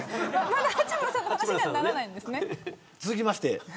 まだ八村さんの話にはならないんですね。